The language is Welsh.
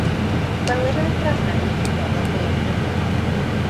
Gweler yr adrannau unigol am fwy o fanylion